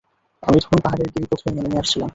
আমি তখন পাহাড়ের গিরিপথ ভেঙে নেমে আসছিলাম।